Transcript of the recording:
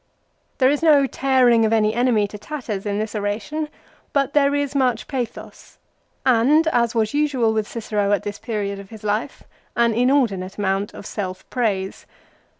There is no tearing of any enemy to tatters in this oration, but there is much pathos, and, as was usual with Cicero at this period of his life, an inordinate amount of self praise.